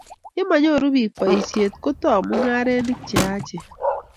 ye manyoru biik boisiet ko itou mung'arenik che yachen